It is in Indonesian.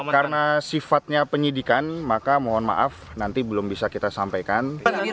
karena sifatnya penyidikan maka mohon maaf nanti belum bisa kita sampaikan